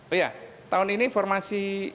oh iya tahun ini formasi